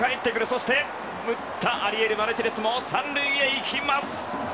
そして、打ったアリエル・マルティネスも３塁に行きます。